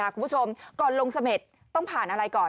คุณผู้ชมก่อนลงเสม็ดต้องผ่านอะไรก่อน